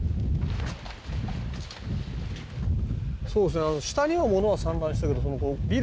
そうですね。